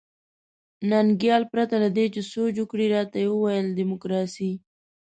ننګیال پرته له دې چې سوچ وکړي راته وویل ډیموکراسي.